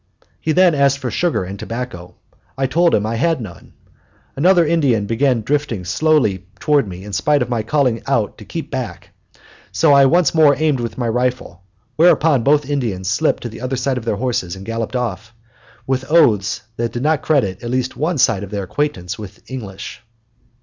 He then asked for sugar and tobacco. I told him I had none. Another Indian began slowly drifting toward me in spite of my calling out to keep back, so I once more aimed with my rifle, whereupon both Indians slipped to the other side of their horses and galloped off, with oaths that did credit to at least one side of their acquaintance with English.